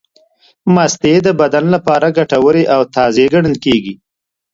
مستې د بدن لپاره ګټورې او تازې ګڼل کېږي.